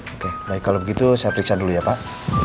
oke baik kalau begitu saya periksa dulu ya pak